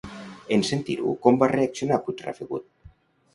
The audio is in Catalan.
En sentir-ho, com va reaccionar Puigrafegut?